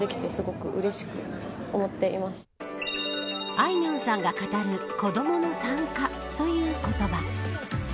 あいみょんさんが語る子どもの参加という言葉。